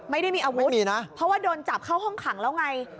ไม่ได้มีอาวุธมีนะเพราะว่าโดนจับเข้าห้องขังแล้วไง